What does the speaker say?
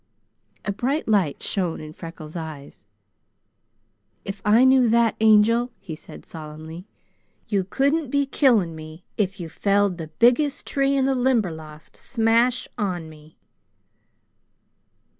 A bright light shone in Freckles' eyes. "If I knew that, Angel," he said solemnly, "you couldn't be killing me if you felled the biggest tree in the Limberlost smash on me!"